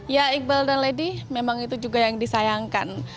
ya iqbal dan lady memang itu juga yang disayangkan